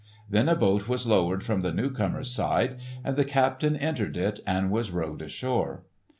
Then a boat was lowered from the newcomer's side, and the captain entered it and was rowed ashore.